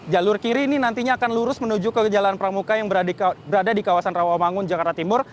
jalur kiri ini nantinya akan lurus menuju ke jalan pramuka yang berada di kawasan rawamangun jakarta timur